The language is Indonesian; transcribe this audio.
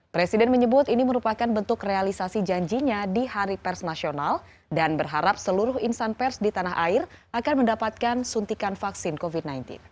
presiden menyebut ini merupakan bentuk realisasi janjinya di hari pers nasional dan berharap seluruh insan pers di tanah air akan mendapatkan suntikan vaksin covid sembilan belas